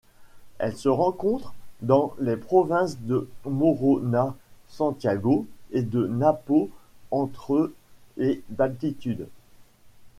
Elle se rencontre dans les provinces de Morona-Santiago et de Napo entre et d'altitude.